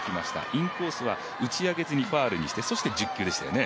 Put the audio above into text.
インコースは打ち上げずにファウルにしてそして１０球でしたね。